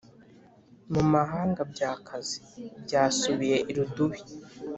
Mu mahanga byakaze byasubiye irudubi